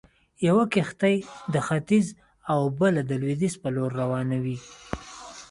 يوه کښتۍ د ختيځ او بله د لويديځ پر لور روانوي.